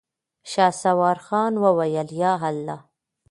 شهسوار خان وويل: ياالله.